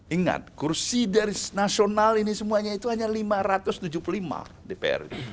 ingat kursi dari nasional ini semuanya itu hanya lima ratus tujuh puluh lima dprd